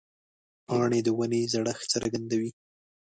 پاڼې د ونې زړښت څرګندوي.